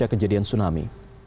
ada kejadian tsunami